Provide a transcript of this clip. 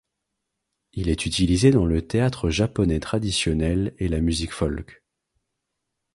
Il est utilisé dans le théâtre japonais traditionnel et la musique folk.